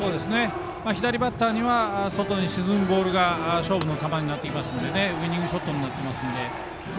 左バッターには外に沈むボールが勝負の球になっていきますのでウイニングショットになってますので。